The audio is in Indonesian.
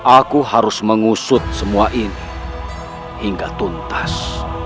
aku harus mengusut semua ini hingga tuntas